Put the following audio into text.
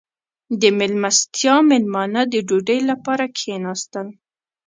• د میلمستیا مېلمانه د ډوډۍ لپاره کښېناستل.